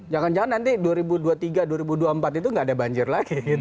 jangan jangan nanti dua ribu dua puluh tiga dua ribu dua puluh empat itu nggak ada banjir lagi